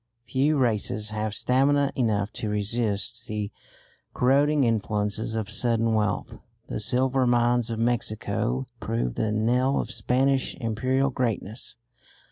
Few races have stamina enough to resist the corroding influences of sudden wealth. The silver mines of Mexico proved the knell of Spanish imperial greatness.